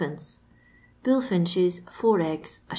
Bulflnches, four eggs, Is.